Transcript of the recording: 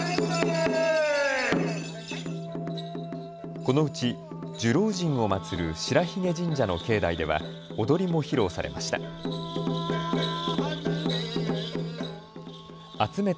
このうち寿老人を祭る白鬚神社の境内では踊りも披露されました。